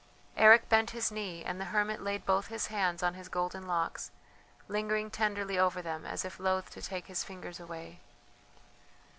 Eric bent his knee, and the hermit laid both his hands on his golden locks, lingering tenderly over them as if loath to take his fingers away.